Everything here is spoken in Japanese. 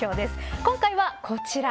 今回は、こちら。